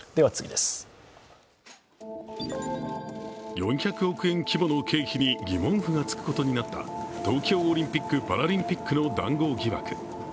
４００億円規模の経費に疑問符がつくことになった東京オリンピック・パラリンピックの談合疑惑。